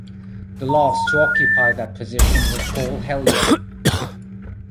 The last to occupy that position was Paul Hellyer.